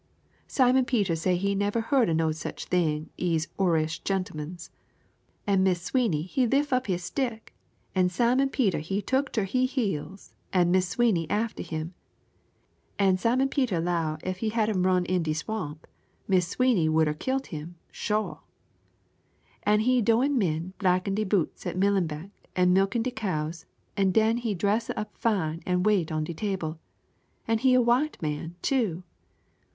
Simon Peter he say he never heerd o' no sich things ez Orrish gentmans, an' Mis' Sweeney he lif' up he stick, an' Simon Peter he took ter he heels an' Mis' Sweeney arter him, an' Simon Peter 'low ef he hadn't run down in de swamp, Mis' Sweeney would er kilt him, sho'! An' he doan' min' blackin' de boots at Millenbeck an' milk de cows, an' den he dress up fine an' wait on de table an' he a white man, too!